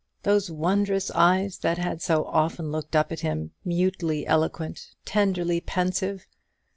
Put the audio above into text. Those wondrous eyes that had so often looked up at him, mutely eloquent, tenderly pensive.